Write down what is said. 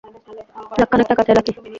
লাখখানেক টাকা চাই, লাকি।